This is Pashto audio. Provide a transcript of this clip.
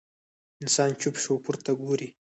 انسان چوپ شو، پورته ګوري.